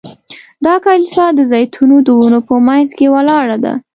دا کلیسا د زیتونو د ونو په منځ کې ولاړه ده.